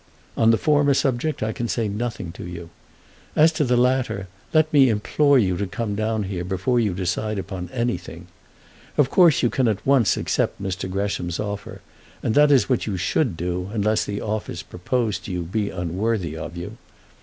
On the former subject I can say nothing to you. As to the latter, let me implore you to come down here before you decide upon anything. Of course you can at once accept Mr. Gresham's offer; and that is what you should do unless the office proposed to you be unworthy of you.